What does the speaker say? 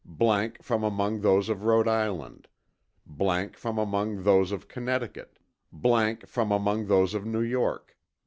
from among those of Rhode Island. from among those of Connecticut. from among those of New York.